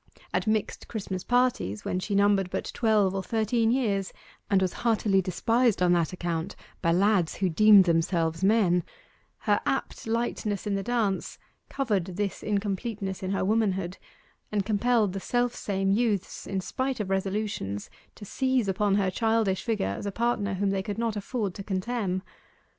At mixed Christmas parties, when she numbered but twelve or thirteen years, and was heartily despised on that account by lads who deemed themselves men, her apt lightness in the dance covered this incompleteness in her womanhood, and compelled the self same youths in spite of resolutions to seize upon her childish figure as a partner whom they could not afford to contemn.